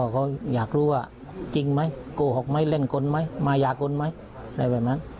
เขาอยากรู้ว่าจริงไหมโกหกไหมเล่นกลไหมมายากลไหมอะไรแบบนั้น